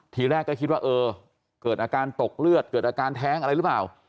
ทีแรกก็คิดว่าเออเกิดอาการตกเลือดเกิดอาการแท้งอะไรหรือเปล่า